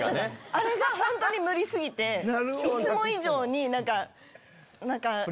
あれが本当に無理過ぎていつも以上に何か。